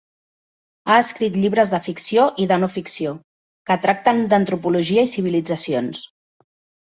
Ha escrit llibres de ficció i de no-ficció que tracten d'antropologia i civilitzacions.